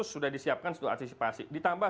sudah disiapkan untuk antisipasi ditambah